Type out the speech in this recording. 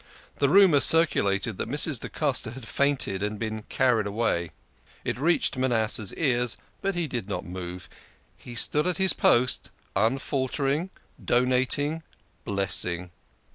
The rumour circulated that Mrs. da Costa had fainted and been carried out. It reached Manas seh's ears, but he did not move. He stood at his post, unfaltering, donating, blessing.